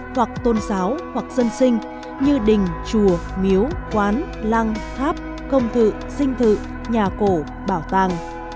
hoặc tôn giáo hoặc dân sinh như đình chùa miếu quán lăng pháp công thự dinh thự nhà cổ bảo tàng